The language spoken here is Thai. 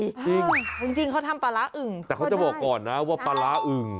จริงจริงเขาทำปลาร้าอึ่งแต่เขาจะบอกก่อนนะว่าปลาร้าอึ่ง